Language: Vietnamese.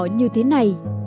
như thế này